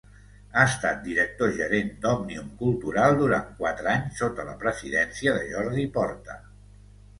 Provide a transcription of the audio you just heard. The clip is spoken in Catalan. Ha estat director gerent d'Òmnium Cultural durant quatre anys, sota la presidència de Jordi Porta.